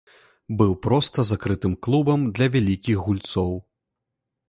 Быў проста закрытым клубам для вялікіх гульцоў.